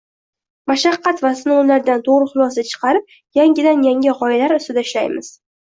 Mashaqqat va sinovlardan toʻgʻri xulosa chiqarib, yangidan yangi gʻoyalar ustida ishlaymiz.